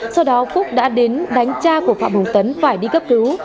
sau đó phúc đã đến đánh cha của phạm hùng tấn phải đi cấp cứu